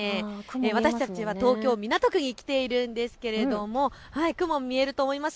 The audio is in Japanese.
私たちは東京港区に来ているんですけれども雲、見えると思います。